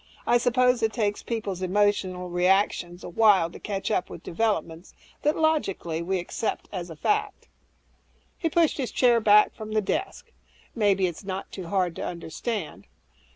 I suppose it takes people's emotional reactions a while to catch up with developments that, logically, we accept as matter of fact." He pushed his chair back from the desk, "Maybe it's not too hard to understand.